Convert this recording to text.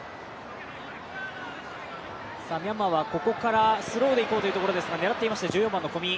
ミャンマーはここからスローでいこうという感じでした狙っていました、１４番の小見。